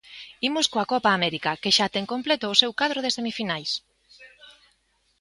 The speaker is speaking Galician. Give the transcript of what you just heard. Imos coa Copa América, que xa ten completo o seu cadro de semifinais.